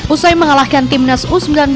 usai mengalahkan timnas u sembilan belas